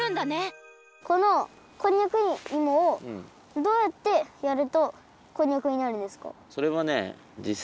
このこんにゃくいもをどうやってやるとこんにゃくになるんですか？